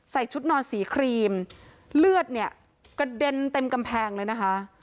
ชุดนอนสีครีมเลือดเนี่ยกระเด็นเต็มกำแพงเลยนะคะ